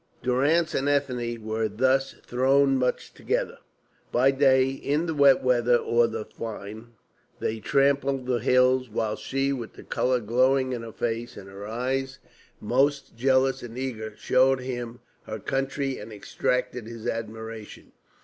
Durrance and Ethne were thus thrown much together. By day, in the wet weather or the fine, they tramped the hills, while she, with the colour glowing in her face, and her eyes most jealous and eager, showed him her country and exacted his admiration.